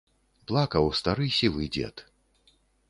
Плакаў стары сівы дзед.